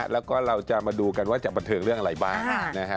แล้วก็เราจะมาดูกันว่าจะบันเทิงเรื่องอะไรบ้างนะฮะ